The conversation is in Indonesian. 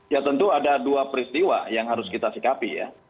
ya tentu ada dua peristiwa yang harus kita sikapi ya